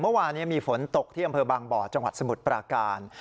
เมื่อวานนี้มีฝนตกที่อำเภอบางบ่อจังหวัดสมุทรปราการ